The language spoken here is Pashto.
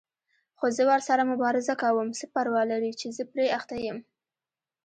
خو زه ورسره مبارزه کوم، څه پروا لري چې زه پرې اخته یم.